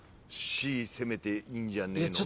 攻めていいんじゃねえの？